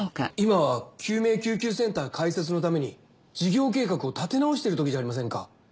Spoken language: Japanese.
今は救命救急センター開設のために事業計画を立て直してるときじゃありませんか。